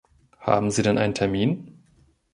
Haben sie denn einen Termin?